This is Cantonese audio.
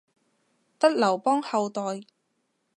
得劉邦後代